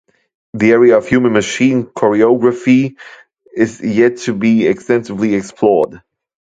The area of human-machine choreography is yet to be extensively explored.